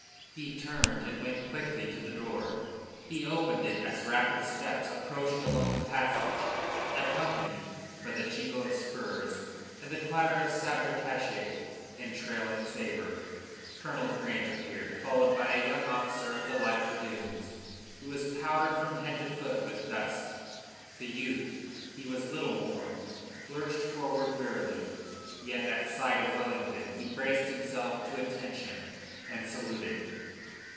He turned and went quickly to the door. He opened it as rapid steps approached along the passage, accompanied by the jingle of spurs and the clatter of sabretache and trailing sabre. Colonel Grant appeared, followed by a young officer of Light Dragoons who was powdered from head to foot with dust. The youth he was little more lurched forward wearily, yet at sight of Wellington he braced himself to attention and saluted.